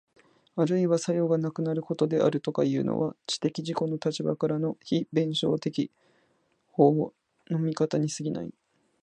あるいは作用がなくなることであるとかいうのは、知的自己の立場からの非弁証法的見方に過ぎない。